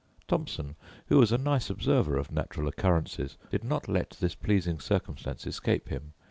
Thomson, who was a nice observer of natural occurrences, did not let this pleasing circumstance escape him.